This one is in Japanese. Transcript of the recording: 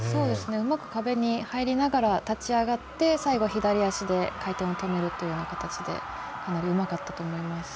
うまく壁に入りながら立ち上がって最後、左足で回転を止めるというような形で、かなりうまかったと思います。